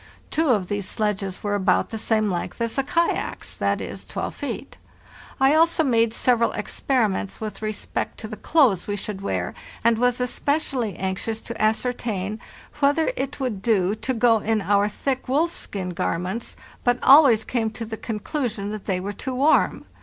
'Two of these sledges were about the same length as the kayaks—that is, 12 feet. I also made several experiments with respect to the clothes we should wear, and was especially anxious to ascertain whether it would do to go in our thick wolfskin garments, but always came to the conclusion that they were too warm.